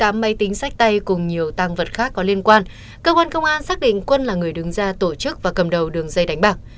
tám máy tính sách tay cùng nhiều tăng vật khác có liên quan cơ quan công an xác định quân là người đứng ra tổ chức và cầm đầu đường dây đánh bạc